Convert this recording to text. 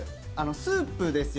スープですよね。